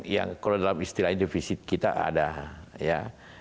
yang kalau dalam istilahnya defisit kita ada ya